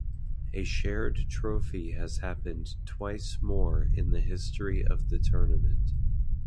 A shared trophy has happened twice more in the history of the tournament.